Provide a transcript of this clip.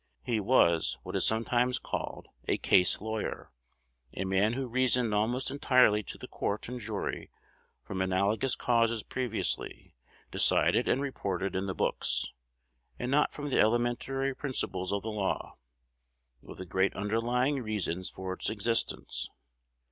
He was what is sometimes called "a case lawyer," a man who reasoned almost entirely to the court and jury from analagous causes previously decided and reported in the books, and not from the elementary principles of the law, or the great underlying reasons for its existence.